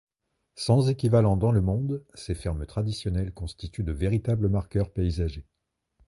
Sans équivalent dans le monde, ces fermes traditionnelles constituent de véritables marqueurs paysagers.